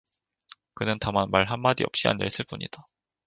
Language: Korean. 그는 다만 말 한 마디 없이 앉아 있을 뿐이다.